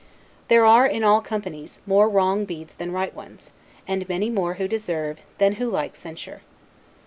There are, in all companies, more wrong beads than right ones, and many more who deserve, than who like censure.